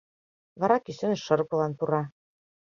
Вара кӱсеныш шырпылан пура.